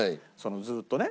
ずっとね。